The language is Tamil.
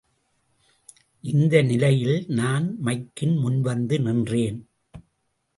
இந்த நிலையில் நான் மைக்கின் முன்வந்து நின்றேன்.